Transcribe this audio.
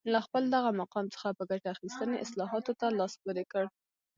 له خپل دغه مقام څخه په ګټې اخیستنې اصلاحاتو ته لاس پورې کړ